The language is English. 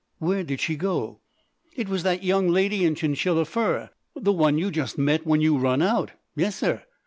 Where did she go?" "It was that young lady in chinchilla fur. The one you just met when you run out. Yessir!